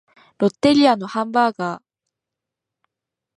ロッテリアのハンバーガー